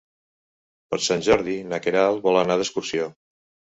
Per Sant Jordi na Queralt vol anar d'excursió.